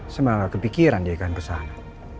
semangat kepikiran dia akan kesana